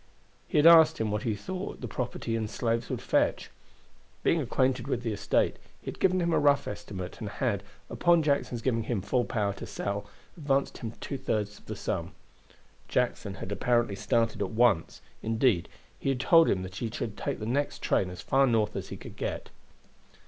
He had asked him what he thought the property and slaves would fetch. Being acquainted with the estate, he had given him a rough estimate, and had, upon Jackson's giving him full power to sell, advanced him two thirds of the sum. Jackson had apparently started at once; indeed, he had told him that he should take the next train as far North as he could get.